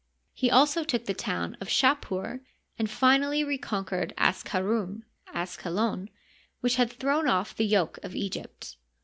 He also took the town of Shapur, and finally reconquered Asqarun (Asqalon) which had thrown off the yoke of Egypt.